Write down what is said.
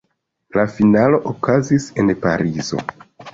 La finalo okazis en Parizo.